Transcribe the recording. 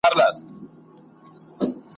د خُم له وچو شونډو محتسب دی باج اخیستی `